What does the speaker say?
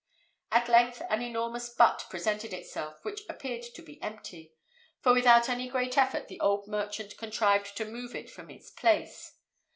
At length an enormous butt presented itself, which appeared to be empty; for without any great effort the old merchant contrived to move it from its place.